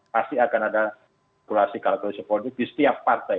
pasti akan ada kalkulasi kalkulasi politik di setiap partai